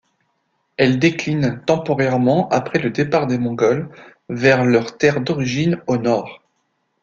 Elle déclinent temporairement après le départ des Mongols vers leurs terres d'origine au Nord.